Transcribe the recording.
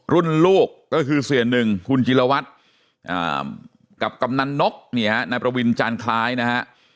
รุ่นลูกก็คือเซีย๑คุณจีรวัตรกับกำนักนกนายประวินจานคลายนะครับ